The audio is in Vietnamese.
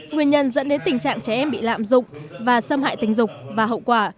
nguyên nhân dẫn đến tình trạng trẻ em bị lạm dụng và xâm hại tình dục và hậu quả